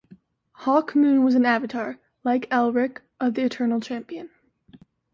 Hawkmoon was an avatar, like Elric, of the Eternal Champion.